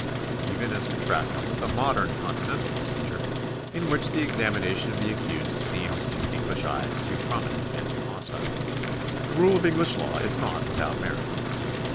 Even as contrasted with the modern Continental procedure, in which the examination of 2f 450 THE LAW OF PROCEDURE [§ 175 the accused seetns to English eyes too prominent and too hostile, the rule of English law is not without merits.